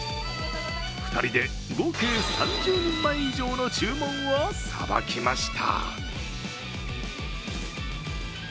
２人で合計３０人前以上の注文をさばきました。